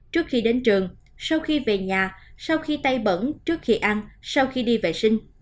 trước khi đến trường sau khi về nhà sau khi tay bẩn trước khi ăn sau khi đi vệ sinh